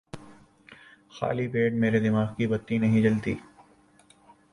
خالی پیٹ میرے دماغ کی بتی نہیں جلتی